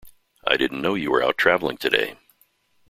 I didn't know you were out travelling today.